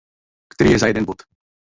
Který je za jeden bod.